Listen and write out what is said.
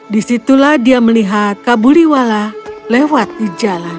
disitulah dia melihat kabuliwala lewat di jalan